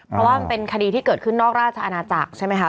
เพราะว่ามันเป็นคดีที่เกิดขึ้นนอกราชอาณาจักรใช่ไหมคะ